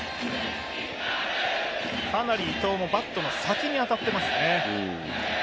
かなり伊藤もバットの先に当たってますね。